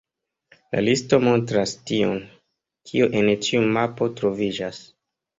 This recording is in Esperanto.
La listo montras tion, kio en ĉiu mapo troviĝas.